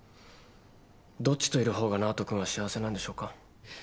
どっちといるほうが直人君は幸せなんでしょうか？